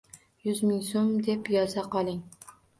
Yuz ming so`m, deb yoza qoling